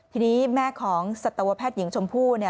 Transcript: ทีนี้แม่ของสัตวแพทย์หญิงชมพู่